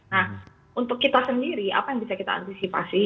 nah untuk kita sendiri apa yang bisa kita antisipasi